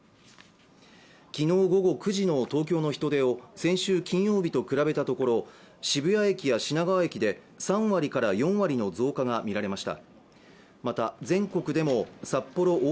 昨日午後９時の東京の人出を先週金曜日と比べたところ渋谷駅や品川駅で３割から４割の増加が見られました